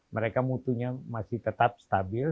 mereka mutunya masih tetap stabil